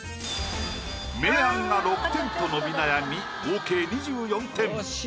明暗が６点と伸び悩み合計２４点。